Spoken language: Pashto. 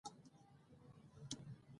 کینه د بدبینۍ او تکبر سره تړاو لري.